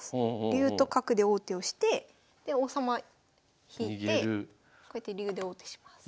竜と角で王手をしてで王様引いてこうやって竜で王手します。